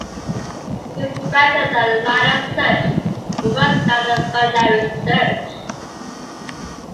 This is better than a linear search, but worse than a binary search.